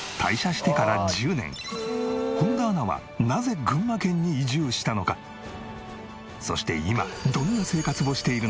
本田アナはそして今どんな生活をしているのか？